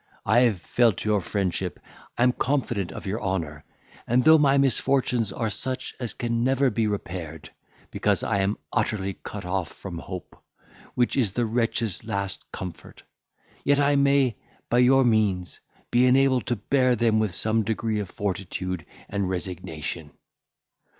I have felt your friendship, am confident of your honour, and though my misfortunes are such as can never be repaired, because I am utterly cut off from hope, which is the wretch's last comfort, yet I may, by your means, be enabled to bear them with some degree of fortitude and resignation.